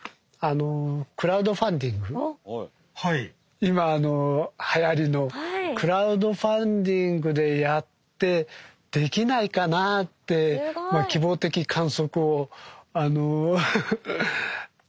今はやりのクラウドファンディングでやってできないかなってまあ希望的観測を。